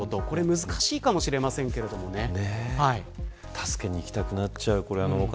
助けに行きたくなっちゃう。